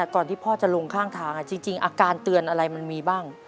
ก่อนที่พ่อจะลงข้างทางจริงอาการเตือนอะไรมันมีบ้าง